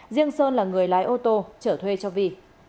riêng sơn là người lái ô tô trở thuê cho vi